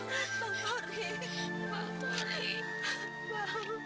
tapi bukannya corpo